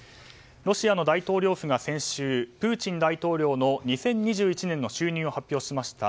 ロシアの大統領府が先週プーチン大統領の２０２１年の収入を発表しました。